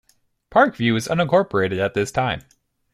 Park View is unincorporated at this time.